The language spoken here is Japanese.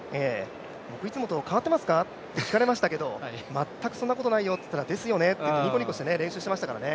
いつもと変わりますか？と聞いたら全くそんなことないよって言ったら、ですよねと言って、ニコニコして練習してましたからね。